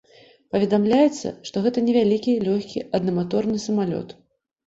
Паведамляецца, што гэта невялікі лёгкі аднаматорны самалёт.